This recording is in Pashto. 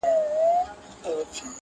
o له دې رازه مي خبر که دیار زړه خو,